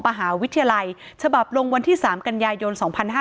มหาวิทยาลัยธรรมศาสตร์ฉบับลงวันที่๓กัญญายน๒๕๖๓